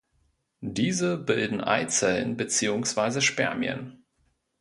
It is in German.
Diese bilden Eizellen beziehungsweise Spermien.